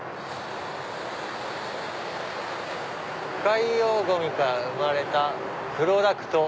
「海洋ゴミから生まれたプロダクト」。